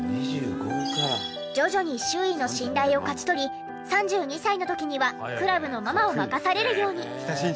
徐々に周囲の信頼を勝ち取り３２歳の時にはクラブのママを任されるように。